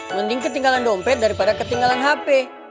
mending ketinggalan dompet daripada ketinggalan hp